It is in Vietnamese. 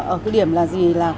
ở cái điểm là gì là